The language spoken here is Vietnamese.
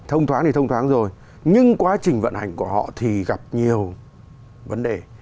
thông thoáng thì thông thoáng rồi nhưng quá trình vận hành của họ thì gặp nhiều vấn đề